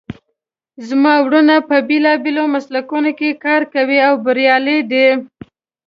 زما وروڼه په بیلابیلو مسلکونو کې کار کوي او بریالي دي